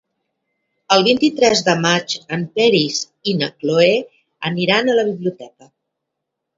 El vint-i-tres de maig en Peris i na Cloè aniran a la biblioteca.